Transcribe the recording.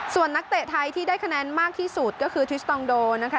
ส่วนนักเตะไทยที่ได้คะแนนมากที่สุดก็คือทริสตองโดนะคะ